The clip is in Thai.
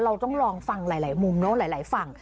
เราต้องลองฟังหลายมุมเนอะหลายฝั่ง